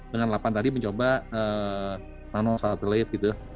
dengan lapan tadi mencoba nano satelit gitu